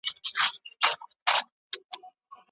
سازمانونه چیري نړیوالي غونډي تنظیموي؟